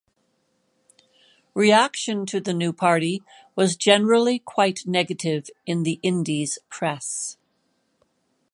Reaction to the new party was generally quite negative in the Indies press.